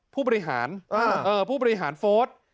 ผู้บริหารผู้บริหารโฟส